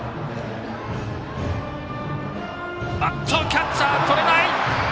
キャッチャーとれない！